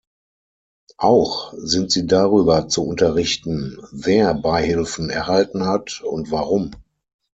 Auch sind sie darüber zu unterrichten, wer Beihilfen erhalten hat und warum.